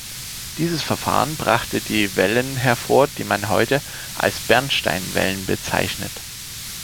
Dieses Verfahren brachte die Wellen hervor, die man heute als Bernstein-Wellen bezeichnet.